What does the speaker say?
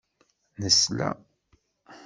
Nesla.